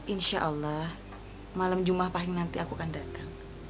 insya allah malam jumah pahing nanti aku akan datang